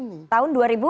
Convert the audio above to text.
tidak ada ini